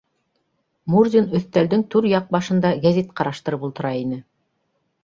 Мурзин өҫтәлдең түр яҡ башында гәзит ҡараштырып ултыра ине.